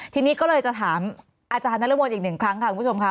ทีนี้ก็เลยจะถามอาจารย์นรมนต์อีกหนึ่งครั้งค่ะคุณผู้ชมค่ะ